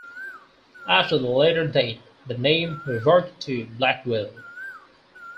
After the latter date, the name reverted to Blackwell.